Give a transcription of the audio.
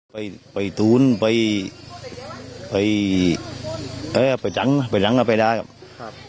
ไปไปตูนไปไปไปจังไปจังอ่ะไปได้ครับครับ